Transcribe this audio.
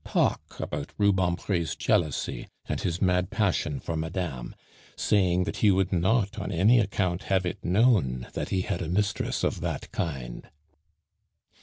Talk about Rubempre's jealousy and his mad passion for madame, saying that he would not on any account have it known that he had a mistress of that kind."